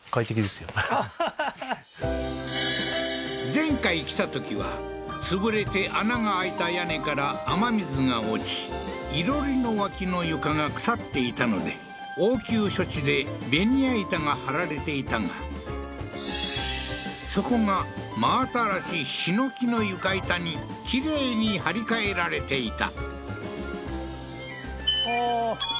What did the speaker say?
前回来たときは潰れて穴が開いた屋根から雨水が落ち囲炉裏の脇の床が腐っていたので応急処置でベニア板が張られていたがそこが真新しい檜の床板にきれいに張り替えられていた